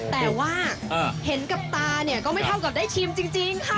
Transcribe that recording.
แต่ว่าเห็นกับตาเนี่ยก็ไม่เท่ากับได้ชิมจริงค่ะ